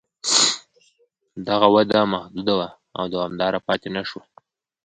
دغه وده محدوده وه او دوامداره پاتې نه شوه.